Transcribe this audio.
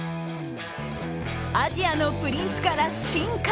アジアのプリンスから進化。